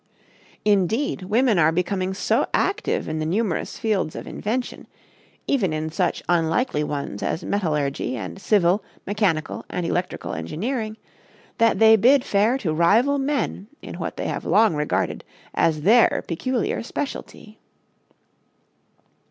Indeed, women are becoming so active in the numerous fields of invention even in such unlikely ones as metallurgy and civil, mechanical and electrical engineering that they bid fair to rival men in what they have long regarded as their peculiar specialty.